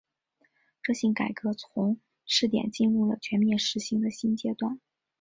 这项改革从试点进入了全面实行的新阶段。